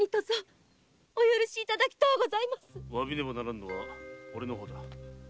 わびねばならんのはオレの方だ。